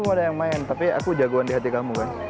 aku ada yang main tapi aku jagoan di hati kamu kan